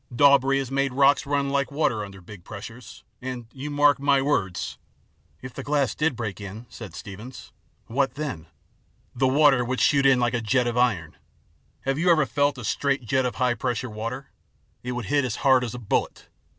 Daubree has made rocks run like water under big pressures and, you mark my words " "If the glass did break in," said Steevens, " what then ?"" The water would shoot in like a jet of iron. Have you ever felt a straight jet of high pressure water ? It would hit as hard as a bullet.